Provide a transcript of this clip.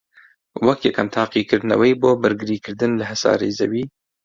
وەک یەکەم تاقیکردنەوەی بۆ بەرگریکردن لە هەسارەی زەوی